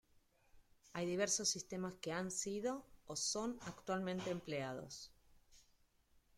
Hay diversos sistemas que han sido, o son actualmente empleados.